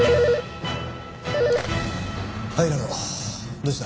どうした？